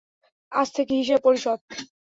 আজ থেকে হিসাব পরিশোধ।